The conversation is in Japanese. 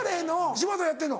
柴田やってんの？